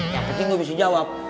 yang penting gue bisa jawab